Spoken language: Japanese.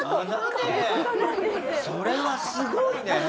それはすごいね。